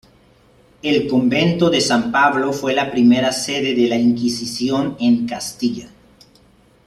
El Convento de San Pablo fue la primera sede de la Inquisición en Castilla.